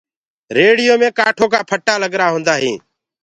ريڙهيو مي ڪآٺو ڪآ ڦٽآ ڪگرآ هوندآ هينٚ۔